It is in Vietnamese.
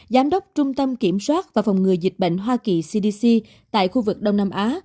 giám đốc trung tâm kiểm soát và phòng ngừa dịch bệnh hoa kỳ cdc tại khu vực đông nam á